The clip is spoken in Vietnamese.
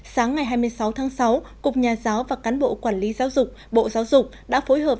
sáng ngày hai mươi sáu tháng sáu cục nhà giáo và cán bộ quản lý giáo dục bộ giáo dục đã phối hợp